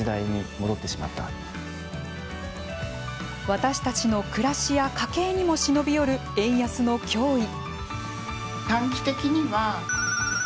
私たちの暮らしや家計にも忍び寄る、円安の脅威。